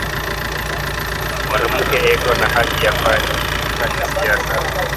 Mwanamuke eko na haki ya fanya siasa